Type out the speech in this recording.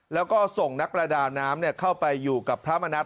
แล้วก็ส่งนักประดาน้ำเข้าไปอยู่กับพระมณัฐ